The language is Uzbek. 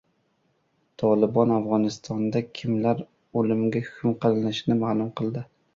"Tolibon" Afg‘onistonda kimlar o‘limga hukm qilinishini ma’lum qildi